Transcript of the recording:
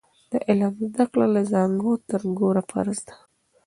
د علم زده کړه له زانګو تر ګوره فرض دی.